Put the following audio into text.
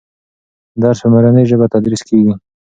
درس په مورنۍ ژبه تدریس کېږي.